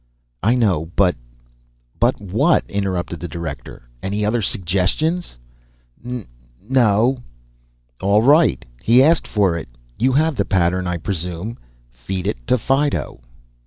"I know, but " "But what?" interrupted the Director. "Any other suggestions?" "N ... no " "All right, he asked for it. You have the pattern, I presume. _Feed it to Fido!